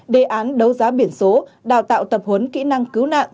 đề án đấu giá biển số đào tạo tập huấn kỹ năng cứu nạn